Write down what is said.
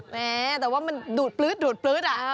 แต่ว่ามันดูดปลื๊ดอ่ะ